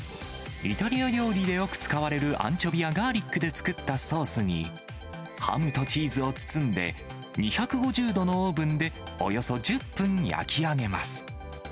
イタリア料理でよく使われるアンチョビやガーリックで作ったソースに、ハムとチーズを包んで、２５０度のオーブンでおよそ１０分焼き上げます。